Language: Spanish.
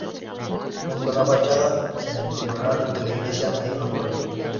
Junto a la fachada septentrional de la iglesia hay una torre.